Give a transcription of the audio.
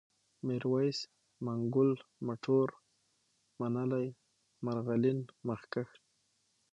ميرويس ، منگول ، مټور ، منلی ، مرغلين ، مخکښ